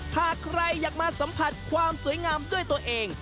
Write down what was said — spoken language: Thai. หากใครอยากมาสัมผัสความสวยงามด้วยตัวเอง